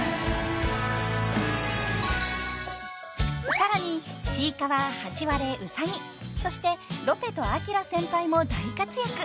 ［さらにちいかわハチワレうさぎそしてロペとアキラ先輩も大活躍］